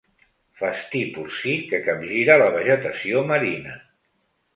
Festí porcí que capgira la vegetació marina.